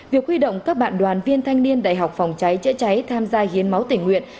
việc huy động các bạn đoàn viên thanh niên đại học phòng cháy chữa cháy tham gia hiến máu tỉnh nguyện